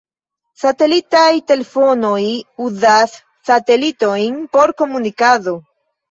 Satelitaj telefonoj uzas satelitojn por komunikado.